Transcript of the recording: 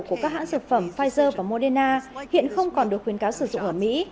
của các hãng dược phẩm pfizer và moderna hiện không còn được khuyến cáo sử dụng ở mỹ